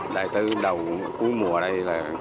đại tư đầu cuối mùa đây